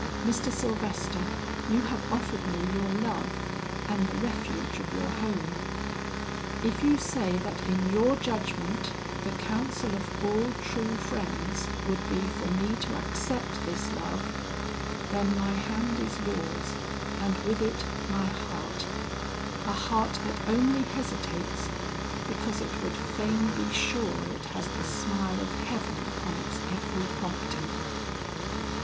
Mr. Sylvester, you have offered me your love and the refuge of your home; if you say that in your judgment the counsel of all true friends would be for me to accept this love, then my hand is yours and with it my heart; a heart that only hesitates because it would fain be sure it has the smile of heaven upon its every prompting."